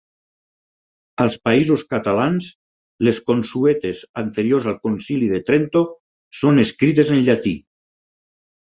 Als Països Catalans, les consuetes anteriors al Concili de Trento, són escrites en llatí.